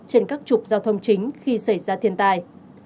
trên các trục giao thông chính khi xảy ra thiên tai